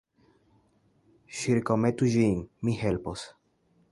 Ĉirkaŭmetu ĝin; mi helpos.